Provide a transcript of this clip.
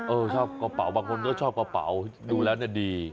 ชอบกระเป๋าบางคนก็ชอบกระเป๋าดูแล้วเนี่ยดี